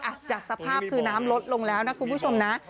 จากสภาพคือน้ำลดลงแล้วนะคุณผู้ชมนะ